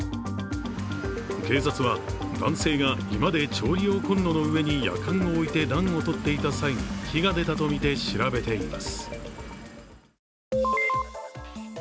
警察は、男性が居間で調理用コンロの上にやかんを置いて暖をとっていた際、火が出たとみて調べています。